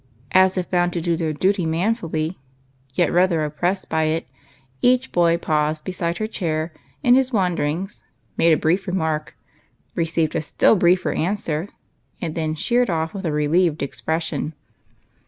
As if bound to do their duty manfully, yet rather oppressed by it, each lad paused beside her chair in his wanderings, made a brief remark, received a still briefer answer, and then sheered off with a relieved expression. THE CLAN.